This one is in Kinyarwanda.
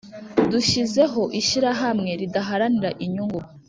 dushyizeho ishyirahamwe ridaharanira inyungu